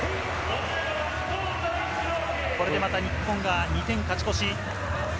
これでまた日本が２点勝ち越し。